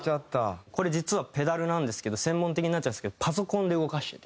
これ実はペダルなんですけど専門的になっちゃうんですけどパソコンで動かしてて。